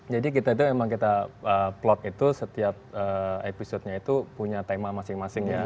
jadi kita itu emang kita plot itu setiap episode nya itu punya tema masing masing ya